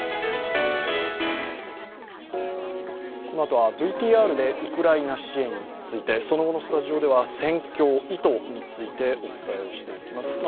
このあとはＶＴＲでウクライナ支援についてその後のスタジオでは戦況、意図についてお伝えしていこうと思います。